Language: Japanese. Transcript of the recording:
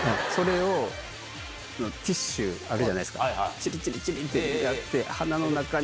チリチリチリってやって鼻の中に。